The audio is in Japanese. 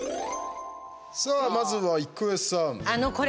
さあ、まずは郁恵さん。